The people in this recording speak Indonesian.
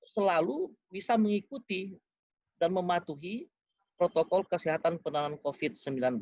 selalu bisa mengikuti dan mematuhi protokol kesehatan penanganan covid sembilan belas